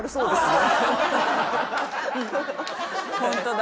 ホントだ。